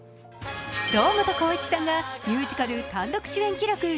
堂本光一さんがミュージカル単独主演記録